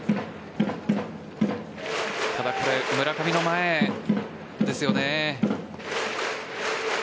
ただ、これ村上の前ですよね。